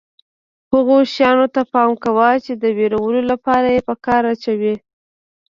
هغو شیانو ته پام کوه چې د وېرولو لپاره یې په کار اچوي.